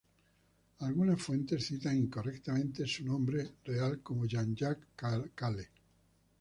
Algunas fuentes citan incorrectamente su nombre real como Jean-Jacques Cale.